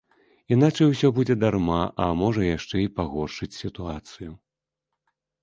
Іначай усё будзе дарма, а можа, яшчэ і пагоршыць сітуацыю.